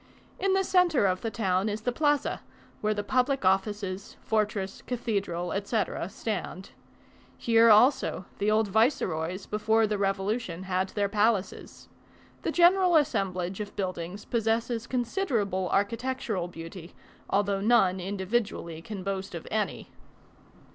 In the centre of the town is the Plaza, where the public offices, fortress, cathedral, etc., stand. Here also, the old viceroys, before the revolution, had their palaces. The general assemblage of buildings possesses considerable architectural beauty, although none individually can boast of any.